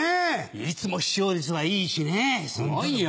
いつも視聴率はいいしねすごいよ。